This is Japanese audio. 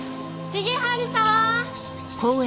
重治さん！